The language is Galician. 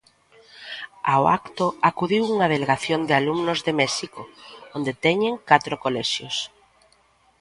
Ao acto acudiu unha delegación de alumnos de México, onde teñen catro colexios.